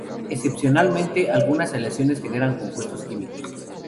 Excepcionalmente, algunas aleaciones generan compuestos químicos.